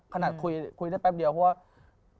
ขนาดคุยได้แป๊บเดียวเพราะว่า